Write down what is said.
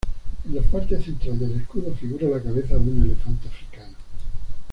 En la parte central del escudo figura la cabeza de un elefante africano.